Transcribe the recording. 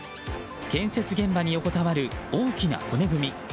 建設現場に横たわる大きな骨組み。